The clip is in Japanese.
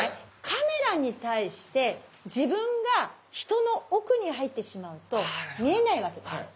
カメラに対して自分が人の奥に入ってしまうと見えないわけです。